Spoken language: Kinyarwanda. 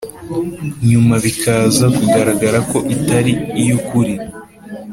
nyuma bikaza kugaragara ko itari iy’ukuri.